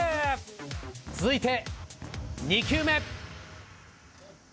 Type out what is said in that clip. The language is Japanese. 続いて２球目。